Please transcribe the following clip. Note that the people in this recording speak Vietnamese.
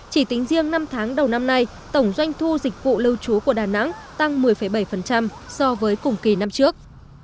chỉ tính riêng năm tháng đầu năm nay tổng doanh thu dịch vụ lưu trú của đà nẵng tăng một mươi bảy so với cùng kỳ năm trước